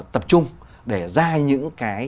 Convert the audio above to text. tập trung để ra những cái